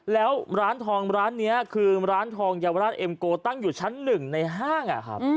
แล้วร้านทองร้านนี้คือร้านทองเยาวราชเอ็มโกตั้งอยู่ชั้นหนึ่งในห้าง